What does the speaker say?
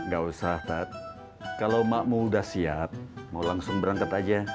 gak usah tat kalau makmu sudah siap mau langsung berangkat aja